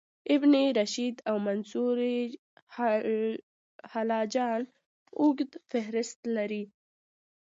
ابن رشد او منصورحلاج اوږد فهرست لري.